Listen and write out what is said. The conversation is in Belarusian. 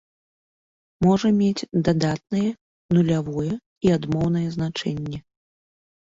Можа мець дадатнае, нулявое і адмоўнае значэнне.